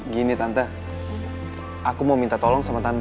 gini tante aku mau minta tolong sama tante